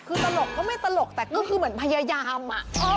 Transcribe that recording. คือตลกก็ไม่ตลกแต่ก็คือเหมือนพยายามอะ